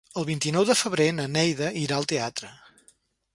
El vint-i-nou de febrer na Neida irà al teatre.